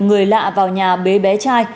người lạ vào nhà bé bé trai